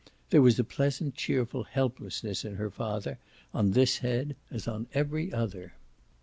There was a pleasant cheerful helplessness in her father on this head as on every other.